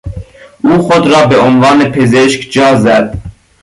او خود را به عنوان پزشک جازد.